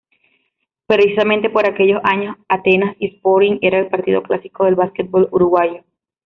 Precisamente por aquellos años Atenas y Sporting era el partido clásico del básquetbol uruguayo.